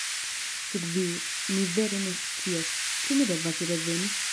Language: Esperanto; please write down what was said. Sed vidu, mi vere ne scias, ĉu mi devas reveni?